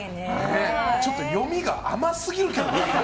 ちょっと読みが甘すぎるけどね。